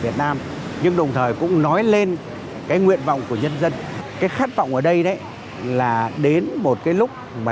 tầm nhìn đến năm hai nghìn ba mươi